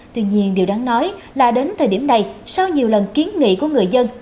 tuy nhiên điều đáng nói là đến thời điểm này sau nhiều lần kiến nghị của người dân